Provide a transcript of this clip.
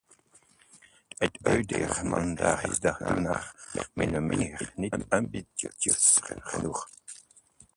Het huidige mandaat is daartoe naar mijn mening niet ambitieus genoeg.